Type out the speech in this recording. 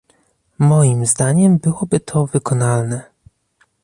Moim zdaniem byłoby to wykonalne